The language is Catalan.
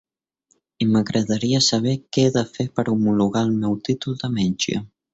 I m'agradaria saber què he de fer per homologar el meu títol de Metge.